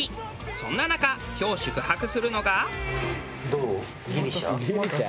そんな中今日宿泊するのが。